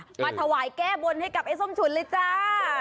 มาถวายแก้บนให้กับไอ้ส้มฉุนเลยจ้า